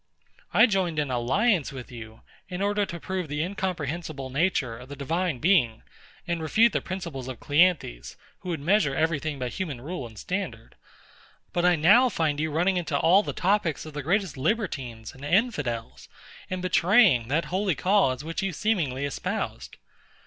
I joined in alliance with you, in order to prove the incomprehensible nature of the Divine Being, and refute the principles of CLEANTHES, who would measure every thing by human rule and standard. But I now find you running into all the topics of the greatest libertines and infidels, and betraying that holy cause which you seemingly espoused.